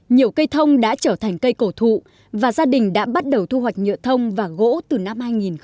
nhiều cây thông đã trở thành cây cổ thụ và gia đình đã bắt đầu thu hoạch nhựa thông và gỗ từ năm hai nghìn một mươi